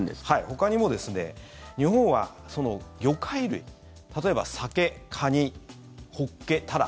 ほかにもですね日本は魚介類例えばサケ、カニ、ホッケ、タラ。